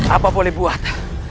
apa boleh buat